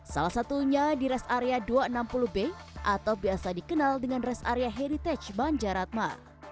salah satunya di rest area dua ratus enam puluh b atau biasa dikenal dengan rest area heritage banjaratma